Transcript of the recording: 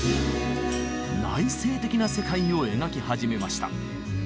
内省的な世界を描き始めました。